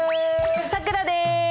さくらです。